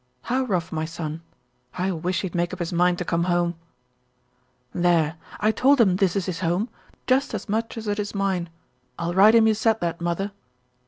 "How rough, my son? I wish he'd make up his mind to come home." "There! I told him this is his home; just as much as it is mine. I'll write him you said that, mother."